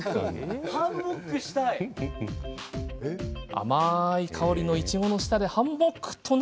甘い香りのいちごの下でハンモック。